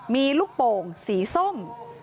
มีลูกโป่งสีส้ม